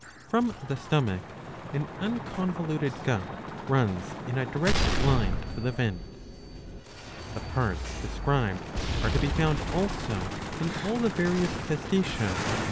From the stomach an unconvoluted gut runs in a direct line to the vent.^* The parts described are to be found also in all the various Testacea.